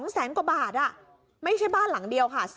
แสนกว่าบาทไม่ใช่บ้านหลังเดียวค่ะ